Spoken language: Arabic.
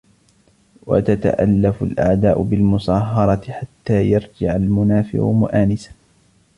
وَتَتَأَلَّفُ الْأَعْدَاءَ بِالْمُصَاهَرَةِ حَتَّى يَرْجِعَ الْمُنَافِرُ مُؤَانِسًا